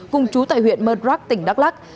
cùng chú tại huyện mật rắc tỉnh đắk lắc